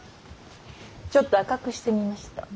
ちょっと赤くしてみました。